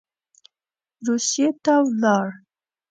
روسیې ته ولاړ.